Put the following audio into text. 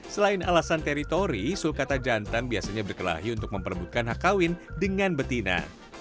selain alasan teritori sulkata jantan biasanya berkelahi untuk memperebutkan hak kawin dengan betina